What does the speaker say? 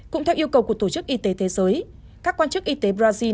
cũng theo yêu cầu của tổ chức y tế thế giới các quan chức y tế brazil